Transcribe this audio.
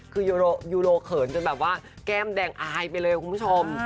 คือยูโรเขินจนแบบว่าแก้มแดงอายไปเลยคุณผู้ชม